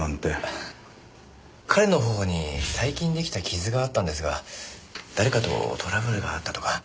彼の頬に最近出来た傷があったんですが誰かとトラブルがあったとか？